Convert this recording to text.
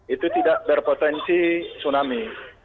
itu tidak berpotensi tsunami